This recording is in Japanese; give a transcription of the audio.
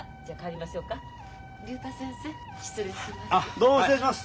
どうも失礼します。